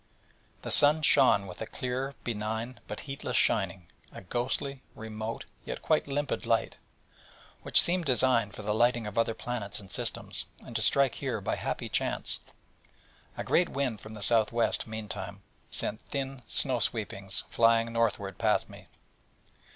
The sun shone with a clear, benign, but heatless shining: a ghostly, remote, yet quite limpid light, which seemed designed for the lighting of other planets and systems, and to strike here by happy chance. A great wind from the S.W., meantime, sent thin snow sweepings flying northward past me.